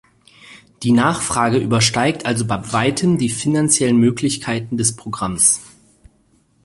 Die Nachfrage übersteigt also bei weitem die finanziellen Möglichkeiten des Programms.